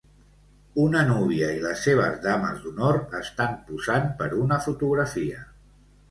Una núvia i les seves dames d'honor estan posant per una fotografia.